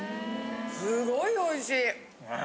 すごいおいしい！